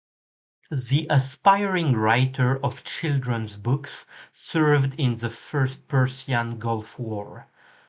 The aspiring writer of children's books served in the first Persian Gulf War.